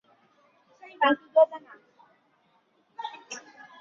椭圆叶乌口树为茜草科乌口树属海南乌口树下的一个变型。